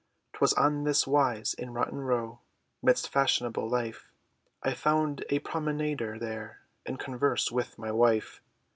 'Twas on this wise, In Rotten Row, Midst fashionable life, I found a promenader there, In converse, with my wife!